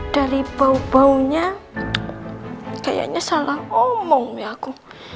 dari bau baunya kayaknya salah omong ya aku